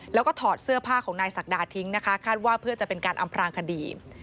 แล้วก็ถอดเสื้อผ้าของนายศักดาทิ้งนะคะคาดว่าเพื่อจะเป็นการอำพลางคดี